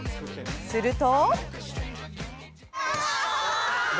すると。